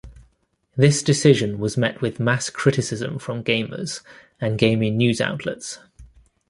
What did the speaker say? This decision was met with mass criticism from gamers and gaming news outlets.